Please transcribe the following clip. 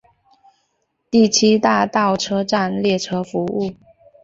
第七大道车站列车服务。